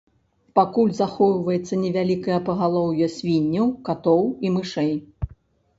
Пакуль захоўваецца невялікае пагалоўе свінняў, катоў і мышэй.